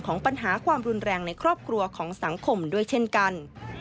ปัญหาความรุนแรงในครอบครัวของสังคมด้วยเช่นกัน